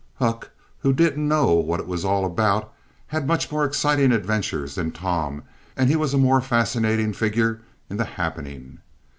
Huck, who didn't know what it was all about, had much more exciting adventures than Tom and he was a more fascinating figure in the happening.